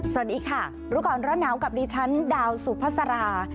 สวัสดีค่ะรู้ก่อนร้อนหนาวกับดิฉันดาวสุภาษารา